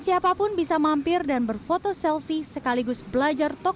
dan siapapun bisa mampir dan berfoto selfie sekaligus belajar toko pandang